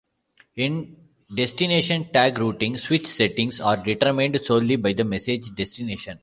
In destination-tag routing, switch settings are determined solely by the message destination.